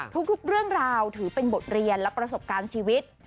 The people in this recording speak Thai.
ทุกเรื่องราวถือเป็นบทเรียนและประสบการณ์ชีวิต